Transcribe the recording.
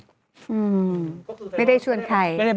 อืมไม่ได้ชวนใคร